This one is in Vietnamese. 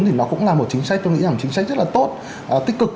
thì nó cũng là một chính sách tôi nghĩ là một chính sách rất là tốt tích cực